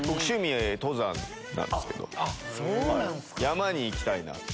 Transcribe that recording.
山に行きたいなって。